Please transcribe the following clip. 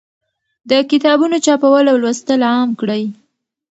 د کتابونو چاپول او لوستل عام کړئ.